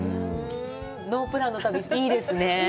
ノープランの旅、いいですね。